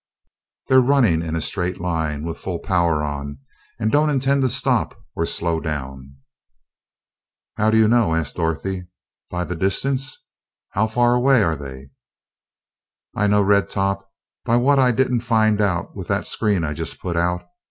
They're running in a straight line, with full power on, and don't intend to stop or slow down." "How do you know?" asked Dorothy. "By the distance? How far away are they?" "I know, Red Top, by what I didn't find out with that screen I just put out.